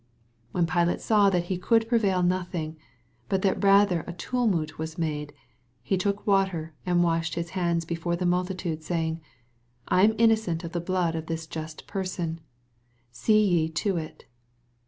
24 When Pilate saw that he oould prevail nothing, but that rather a tu mult was maae, he took water, and washed his hands before the multi tude, saying, I am innocent of the blood of this just person : see ye to tt.